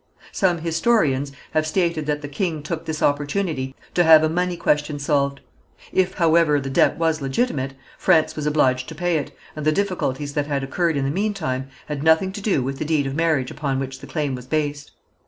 Some historians have stated that the king took this opportunity to have a money question solved. If, however, the debt was legitimate, France was obliged to pay it, and the difficulties that had occurred in the meantime had nothing to do with the deed of marriage upon which the claim was based.